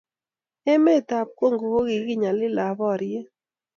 Emet ab congo ko kikinyalil ab boryet